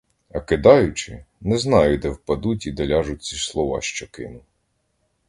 А кидаючи, не знаю, де впадуть і де ляжуть ці слова, що кину.